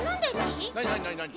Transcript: なになになになに？